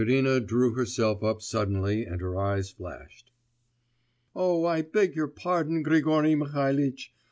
Irina drew herself up suddenly and her eyes flashed. 'Oh, I beg your pardon, Grigory Mihalitch!